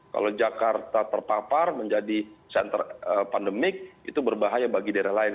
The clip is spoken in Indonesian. kalau jakarta terpapar menjadi center pandemik itu berbahaya bagi daerah lain